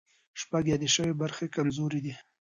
شپږ یادې شوې برخې کمزوري دي.